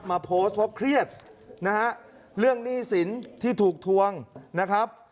มาโพสต์เพราะเครียดนะฮะเรื่องหนี้สินที่ถูกทวงนะครับ